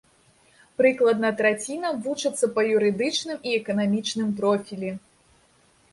Прыкладна траціна вучыцца па юрыдычным і эканамічным профілі.